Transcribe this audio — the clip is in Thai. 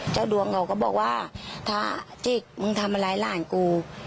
เจ้าดวงเขาก็บอกว่าถ้าจิกมึงทำอะไรหลานกู